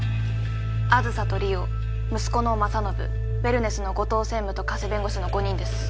梓と梨央息子の政信ウェルネスの後藤専務と加瀬弁護士の５人です